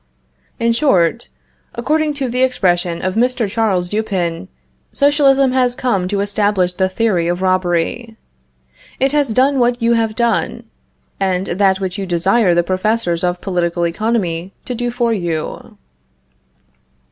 In short, according to the expression of Mr. Charles Dupin, socialism has come to establish the theory of robbery. It has done what you have done, and that which you desire the professors of political economy to do for you.